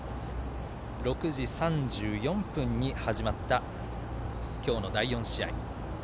６時３４分に始まった今日の第４試合。